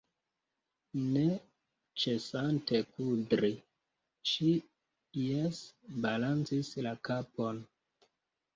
Ne ĉesante kudri, ŝi jese balancis la kapon.